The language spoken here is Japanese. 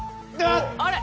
あれ？